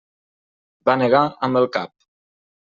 Va negar amb el cap.